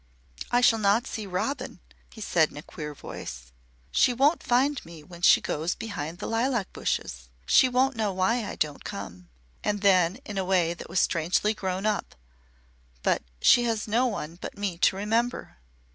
"I shall not see Robin," he said in a queer voice. "She won't find me when she goes behind the lilac bushes. She won't know why I don't come." Then, in a way that was strangely grown up: "She has no one but me to remember."